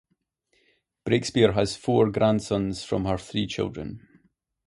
Breakspeare has four grandsons from her three children.